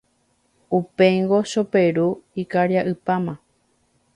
Upéingo Choperu ikaria'ypáma.